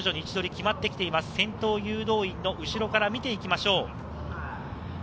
先頭誘導員の後ろから見ていきます。